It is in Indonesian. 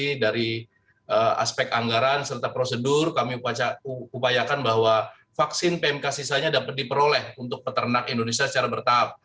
jadi dari aspek anggaran serta prosedur kami upayakan bahwa vaksin pmk sisanya dapat diperoleh untuk peternak indonesia secara bertahap